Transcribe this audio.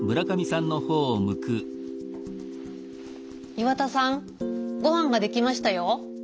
岩田さんごはんが出来ましたよ。